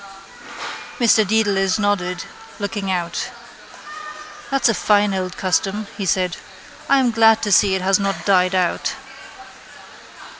Mr Dedalus nodded, looking out. —That's a fine old custom, he said. I am glad to see it has not died out.